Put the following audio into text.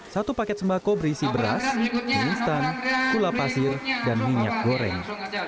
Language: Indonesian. satu paket sembako berisi beras mie instan gula pasir dan minyak goreng